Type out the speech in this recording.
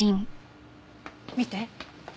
見て。